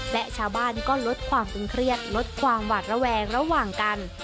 และชาวบ้านก็ลดความตึงเครียดลดความหวาดระแวงระหว่างกัน